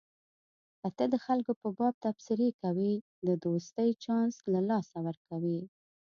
که ته د خلکو په باب تبصرې کوې د دوستۍ چانس له لاسه ورکوې.